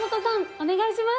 お願いします。